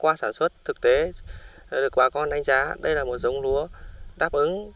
qua sản xuất thực tế được bà con đánh giá đây là một giống lúa đáp ứng